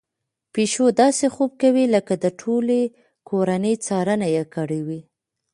پيشو داسې خوب کوي لکه د ټولې کورنۍ څارنه يې کړې وي.